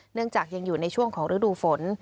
เนื่องจากยังอยู่ในช่วงของฤดูฝน